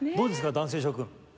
男性諸君。